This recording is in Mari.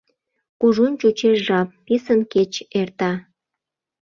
Кужун чучеш жап, писын кеч эрта.